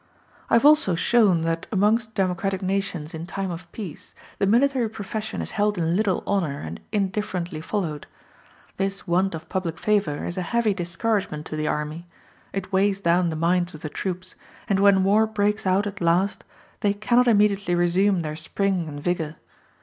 I have also shown that amongst democratic nations in time of peace the military profession is held in little honor and indifferently followed. This want of public favor is a heavy discouragement to the army; it weighs down the minds of the troops, and when war breaks out at last, they cannot immediately resume their spring and vigor.